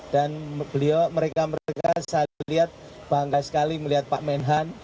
dan mereka mereka saya lihat bangga sekali melihat pak menhan